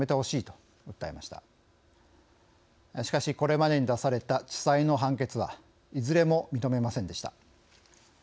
しかし、これまでに出された地裁の判決はいずれも認めませんでした。